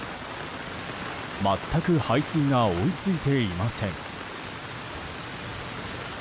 全く排水が追い付いていません。